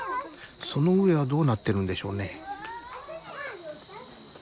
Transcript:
その上はどうなってるんでしょうね。